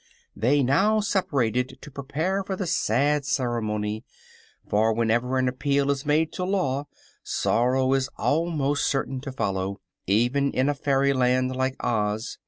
They now separated to prepare for the sad ceremony; for whenever an appeal is made to law sorrow is almost certain to follow even in a fairyland like Oz.